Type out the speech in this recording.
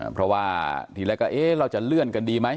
เพราะว่าทีแรกก็เอ๊ะเราจะเลื่อนกันดีไหม